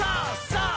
さあ！